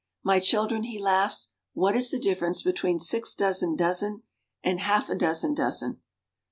"My children," he laughs, "what is the difference between six dozen dozen and half a dozen dozen?"